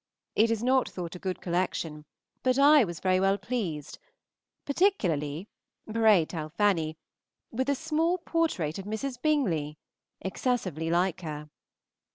It is not thought a good collection, but I was very well pleased, particularly (pray tell Fanny) with a small portrait of Mrs. Bingley, excessively like her.